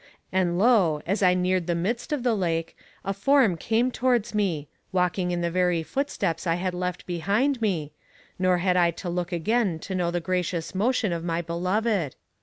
And lo! as I neared the midst of the lake, a form came towards me, walking in the very footsteps I had left behind me, nor had I to look again to know the gracious motion of my beloved.